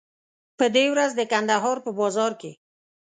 په دې ورځ د کندهار په بازار کې.